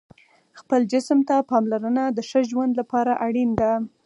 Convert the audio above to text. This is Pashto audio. خپل جسم ته پاملرنه د ښه ژوند لپاره اړینه ده.